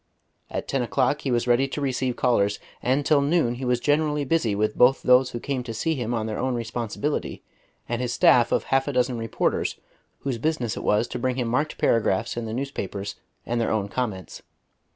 At ten o'clock he was ready to receive callers, and till noon he was generally busy with both those who came to see him on their own responsibility and his staff of half a dozen reporters whose business it was to bring him marked paragraphs in the newspapers and their own comments.